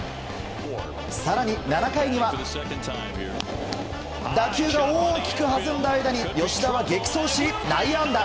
更に７回には打球が大きく弾んだ間に吉田は激走し、内野安打。